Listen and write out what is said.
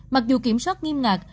mặc dù kiểm soát nghiêm ngạc